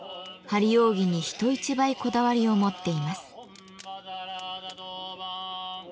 張り扇に人一倍こだわりを持っています。